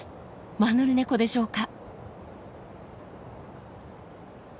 マヌルネコでしょうか？